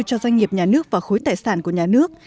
cho doanh nghiệp nhà nước và khối tài sản của nhà nước